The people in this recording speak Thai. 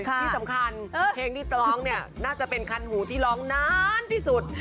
ที่สำคัญเพลงที่ร้องเนี่ยน่าจะเป็นคันหูที่ร้องนานที่สุด